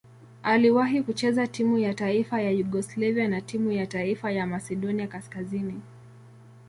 Aliwahi kucheza timu ya taifa ya Yugoslavia na timu ya taifa ya Masedonia Kaskazini.